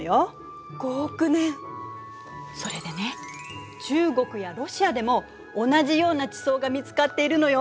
それでね中国やロシアでも同じような地層が見つかっているのよ。